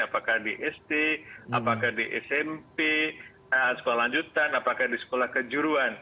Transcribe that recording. apakah di st smp sekolah lanjutan sekolah kejuruan